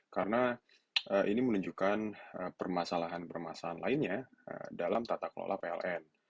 karena ini menunjukkan permasalahan permasalahan lainnya dalam tata kelola pln